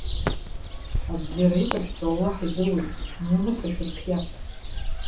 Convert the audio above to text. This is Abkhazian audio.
Абзиара иҟашәҵо Аллаҳ идыруеит. Шәымҩаныфа шәырхиа.